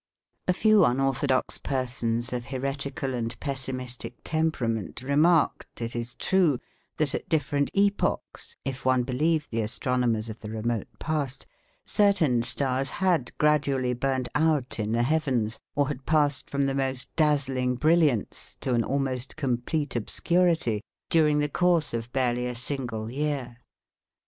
A few unorthodox persons of heretical and pessimistic temperament remarked, it is true, that at different epochs, if one believed the astronomers of the remote past, certain stars had gradually burnt out in the heavens, or had passed from the most dazzling brilliance to an almost complete obscurity, during the course of barely a single year.